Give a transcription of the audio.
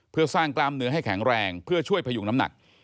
เพื่อสร้างกล้ามเนื้อให้แข็งแรงเพื่อช่วยพยุงน้ำหนัก